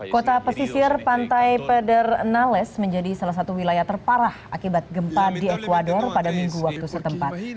kota pesisir pantai pedernales menjadi salah satu wilayah terparah akibat gempa di ecuador pada minggu waktu setempat